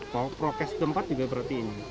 bahwa prokes tempat juga berarti ini